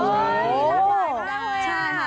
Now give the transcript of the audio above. เฮ้ยแบบใหม่